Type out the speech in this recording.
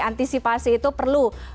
antisipasi itu perlu